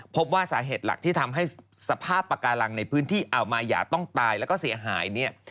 พบว่าสาเหตุหลักที่ทำให้สภาพประกาศในพื้นที่อามายาต้องตายและเสียหาย